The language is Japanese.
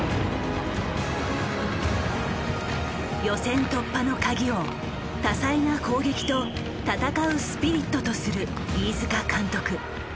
予選突破のカギを多彩な攻撃と戦うスピリットとする飯塚監督。